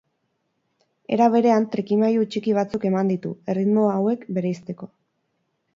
Era berean, trikimailu txiki batzuk eman ditu, erritmo hauek bereizteko.